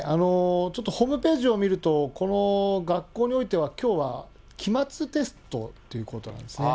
ちょっとホームページを見ると、この学校においては、きょうは期末テストということなんですね。